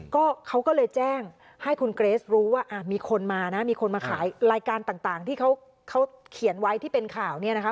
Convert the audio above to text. ก็เขาก็เลยแจ้งให้คุณเกรสรู้ว่ามีคนมานะมีคนมาขายรายการต่างที่เขาเขียนไว้ที่เป็นข่าวเนี่ยนะคะ